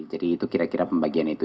jadi itu kira kira pembagian itu